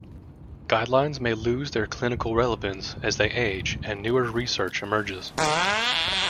Guidelines may lose their clinical relevance as they age and newer research emerges.